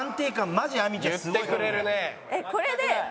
これで。